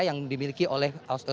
yang dimiliki oleh ru